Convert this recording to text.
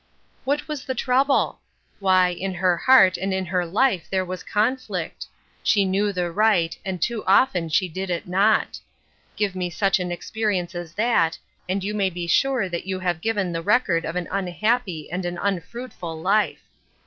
What was the trouble ? Why, in her heart and in her life there was conflict. She knew the right, and too often she did it not. Give me such an experience as that, and you may be sure that you have given the record of an unhappy and an unfruitful life.